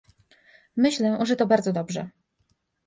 Myślę, że to bardzo dobrze